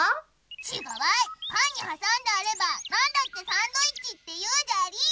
ちがうわいパンにはさんであればなんだってサンドイッチっていうじゃりー。